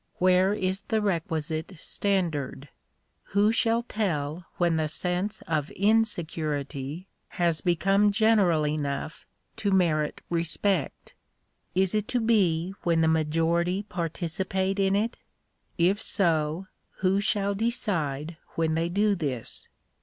where is the requisite standard ? who shall tell when the sense of insecurity has become general enough to merit respect ? Is it to be when the majority participate in it ? If so, who shall decide when they do this